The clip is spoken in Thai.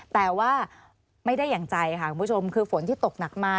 แต่ว่าไม่ได้อย่างใจค่ะคุณผู้ชมคือฝนที่ตกหนักมา